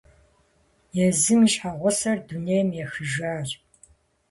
Езым и щхьэгъусэр дунейм ехыжащ.